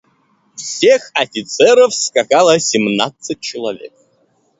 Всех офицеров скакало семнадцать человек.